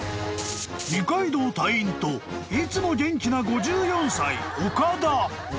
［二階堂隊員といつも元気な５４歳岡田］